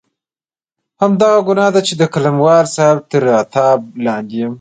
همدغه ګناه ده چې د قلموال صاحب تر عتاب لاندې یم.